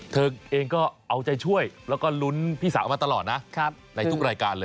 เธอเองก็เอาใจช่วยแล้วก็ลุ้นพี่สาวมาตลอดนะในทุกรายการเลย